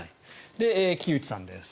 で、木内さんです。